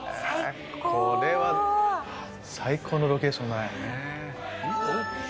これは最高のロケーションだね。